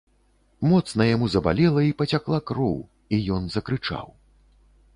Моцна яму забалела, і пацякла кроў, і ён закрычаў.